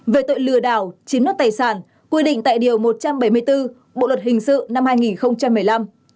về tội lừa đảo chiếm đoạt tài sản quy định tại điều một trăm bảy mươi bốn bộ luật hình sự năm hai nghìn một mươi năm